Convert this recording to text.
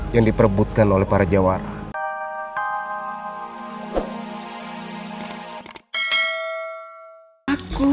yang diperbutkan oleh para jawara